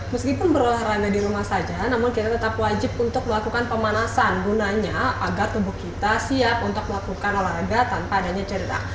meskipun berolahraga di rumah saja namun kita tetap wajib untuk melakukan pemanasan gunanya agar tubuh kita siap untuk melakukan olahraga tanpa adanya cerita